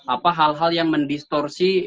apa hal hal yang mendistorsi